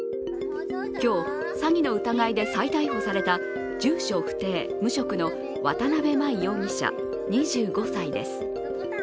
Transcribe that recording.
今日、詐欺の疑いで再逮捕された住所不定・無職の渡邊真衣容疑者、２５歳です。